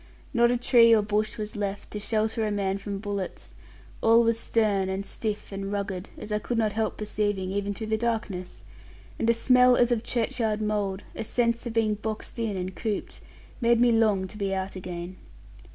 Not a tree or bush was left, to shelter a man from bullets: all was stern, and stiff, and rugged, as I could not help perceiving, even through the darkness, and a smell as of churchyard mould, a sense of being boxed in and cooped, made me long to be out again.